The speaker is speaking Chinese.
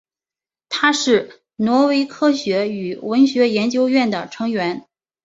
他是挪威科学和文学研究院的成员。